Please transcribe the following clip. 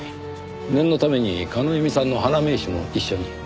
念のために叶笑さんの花名刺も一緒に。